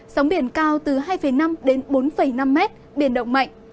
sóng biển cao từ hai năm đến bốn năm mét biển động mạnh